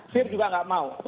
fear juga gak mau